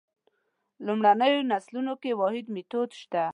لومړنیو نسلونو کې واحد میتود شته.